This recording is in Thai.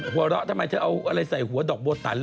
หัวเราะทำไมเธอเอาอะไรใส่หัวดอกบัวตัน